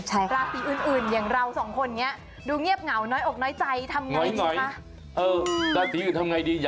ราศีอื่นเราซังคนเนี่ยดูเงียบเหงาน้อยอกน้อยใจทำยังไงดีคะ